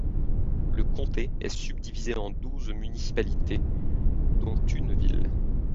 Le comté est subdivisé en douze municipalités, dont une ville.